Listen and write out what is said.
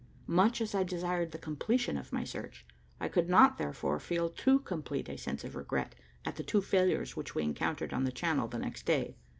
Much as I desired the completion of my search, I could not therefore feel too complete a sense of regret at the two failures which we encountered on the Channel the next day.